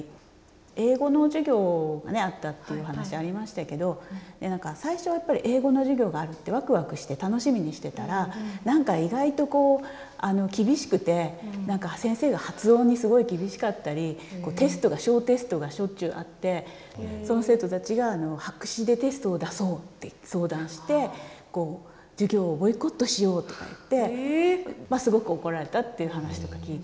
英語の授業があったっていうお話ありましたけど何か最初はやっぱり英語の授業があるってワクワクして楽しみにしてたら何か意外とこう厳しくて先生が発音にすごい厳しかったりテストが小テストがしょっちゅうあってその生徒たちが「白紙でテストを出そう」って相談して「授業をボイコットしよう」とか言ってすごく怒られたっていう話とか聞いて。